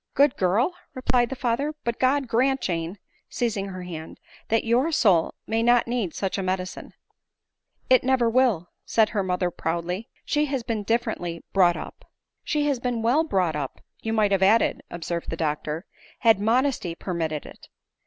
" Good girl !" replied the father ;" but God grant, Jane, (seizing her hand) that your soul may not need such a medicine ?"" It never will," said her mother proudly ;" she has been differently brought up." " She has been well brought up, you might have ad ded," observed the doctor, " had modesty permitted it.